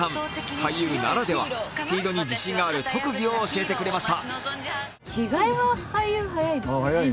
俳優ならでは、スピードに自信のある特技を教えてくれました。